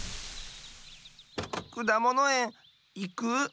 くだものえんいく？